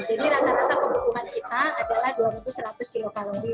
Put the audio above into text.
rata rata kebutuhan kita adalah dua seratus kilokalori